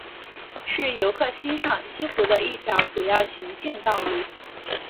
是游客欣赏西湖的一条主要行进道路。